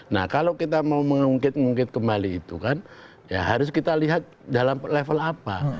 nah kalau kita mau mengungkit ungkit kembali itu kan ya harus kita lihat dalam level apa